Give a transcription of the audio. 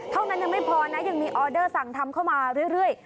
เท่านั้นยังไม่พอนะยังมีออเดอร์สั่งทำเข้ามาเรื่อย